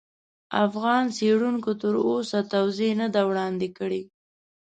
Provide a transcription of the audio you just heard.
افغان څېړونکو تر اوسه توضیح نه دي وړاندې کړي.